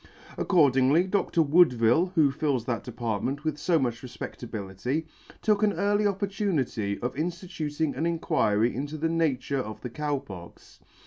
Accordingly, Dr. Woodville, who fills that department with fo much refpedlability, took an early opportunity of inftituting an Inquiry into the. nature of the Cow Pox.